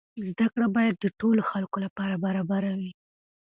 زده کړه باید د ټولو خلکو لپاره برابره وي.